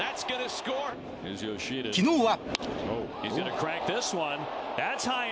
昨日は。